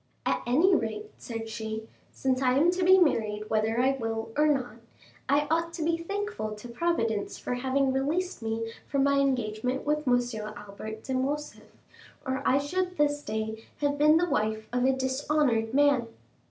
"At any rate," said she, "since I am to be married whether I will or not, I ought to be thankful to Providence for having released me from my engagement with M. Albert de Morcerf, or I should this day have been the wife of a dishonored man."